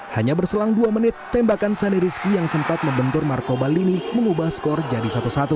hanya berselang dua menit tembakan saniriski yang sempat membentur marco ballini mengubah skor jadi satu satu